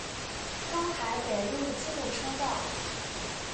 东海北陆自动车道。